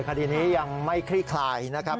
คดีนี้ยังไม่คลี่คลายนะครับ